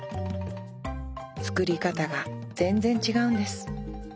造り方が全然違うんです。